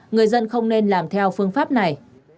người dân không nên làm theo phương pháp này